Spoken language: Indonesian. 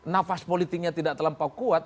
nafas politiknya tidak terlampau kuat